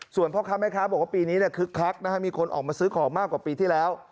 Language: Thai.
ส่วนพ่อค้าแม่ค้าบอกว่าปีนี้คึกคักนะฮะมีคนออกมาซื้อของมากกว่าปีที่แล้ว